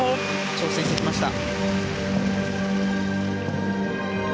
挑戦してきました。